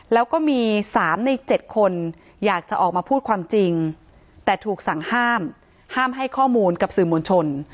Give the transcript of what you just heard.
แล้วก็มี๓ใน๗คนอยากจะออกมาพูดความจริงแต่ถูกสั่งห้ามห้ามให้ข้อมูลกับสื่อมวลชน